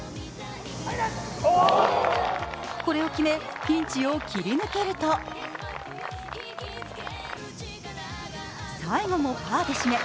これを決めピンチを切り抜けると、最後もパーで締め